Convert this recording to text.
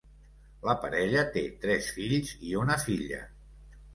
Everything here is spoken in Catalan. La parella té tres fills i una filla.